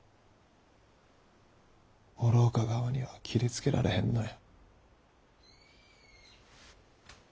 お廊下側には斬りつけられへんのや。